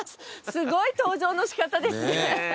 すごい登場の仕方ですね。